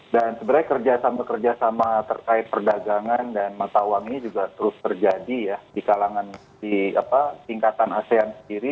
dan sebenarnya kerjasama kerjasama terkait perdagangan dan mata uang ini juga terus terjadi ya di kalangan di tingkatan asean sendiri